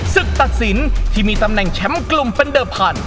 ศึกตัดสินที่มีตำแน่งแชมพ์กลุ่มเพนดเรียสภัณฑ์